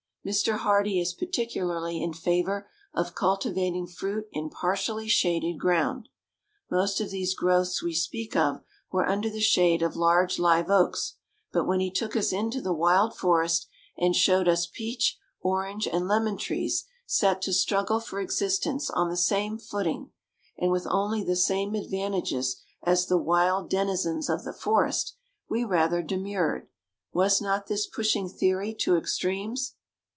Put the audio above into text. Mr. Hardee is particularly in favor of cultivating fruit in partially shaded ground. Most of these growths we speak of were under the shade of large live oaks; but when he took us into the wild forest, and showed us peach, orange, and lemon trees set to struggle for existence on the same footing, and with only the same advantages, as the wild denizens of the forest, we rather demurred. Was not this pushing theory to extremes?